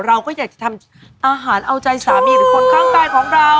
เราก็อยากจะทำอาหารเอาใจสามีหรือคนข้างกายของเรา